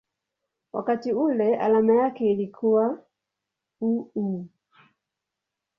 wakati ule alama yake ilikuwa µµ.